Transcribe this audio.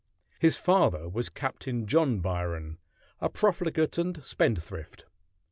His father was Captain John Byron, a profligate and spendthrift.